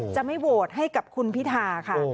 จะไม่โหวตให้กับคุณพิธาค่ะ